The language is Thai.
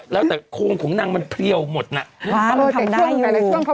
แล้วแต่โครงของนางมันเพรียวหมดน่ะ